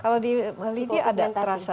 kalau di mali dia ada terasa